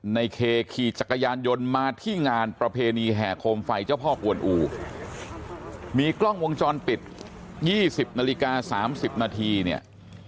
ในเคขี่จักรยานยนต์มาที่งานประเพณีแห่โคมไฟเจ้าพ่อกวนอูมีกล้องวงจรปิด๒๐นาฬิกา๓๐นาทีเนี่ย